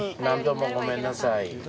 何度もごめんなさい。